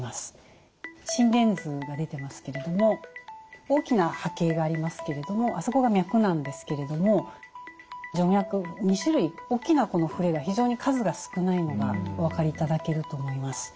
心電図が出てますけれども大きな波形がありますけれどもあそこが脈なんですけれども徐脈２種類大きな振れが非常に数が少ないのがお分かりいただけると思います。